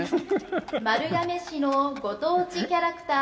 丸亀市のご当地キャラクター。